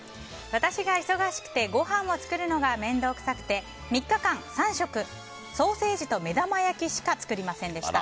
私が忙しくてごはんを作るのが面倒くさくて３日間３食ソーセージと目玉焼きしか作りませんでした。